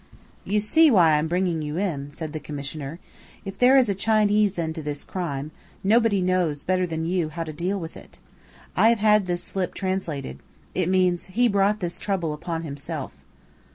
"You see why I am bringing you in," said the Commissioner. "If there is a Chinese end to this crime, nobody knows better than you how to deal with it. I have had this slip translated. It means 'He brought this trouble upon himself.'"